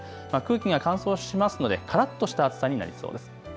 空気が乾燥しますのでからっとした暑さになりそうです。